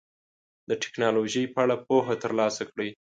د ټکنالوژۍ په اړه پوهه ترلاسه کړئ.